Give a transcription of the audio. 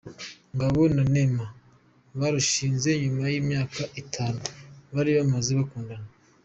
Ngabo na Neema, barushinze nyuma y’imyaka itanu bari bamaze bakundana.